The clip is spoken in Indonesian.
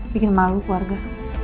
bikin malu keluarga